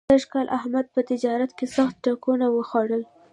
سږ کال احمد په تجارت کې سخت ټکونه وخوړل.